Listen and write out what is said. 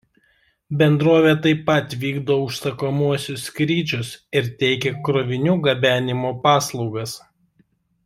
Bendrovė taip pat vykdo užsakomuosius skrydžius ir teikia krovinių gabenimo paslaugas.